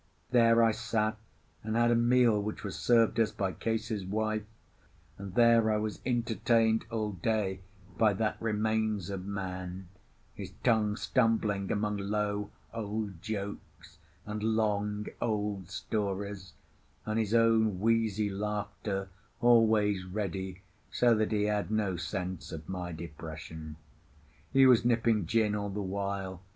There I sat and had a meal which was served us by Case's wife; and there I was entertained all day by that remains of man, his tongue stumbling among low old jokes and long old stories, and his own wheezy laughter always ready, so that he had no sense of my depression. He was nipping gin all the while.